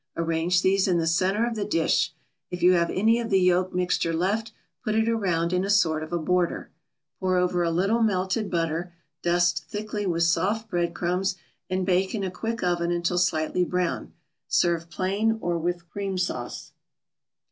Arrange these in the center of the dish. If you have any of the yolk mixture left, put it around in a sort of a border. Pour over a little melted butter, dust thickly with soft bread crumbs and bake in a quick oven until slightly brown. Serve plain or with cream sauce.